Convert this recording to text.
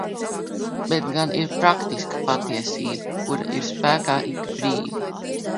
Bet gan praktiska patiesība, kura ir spēkā ik brīdi.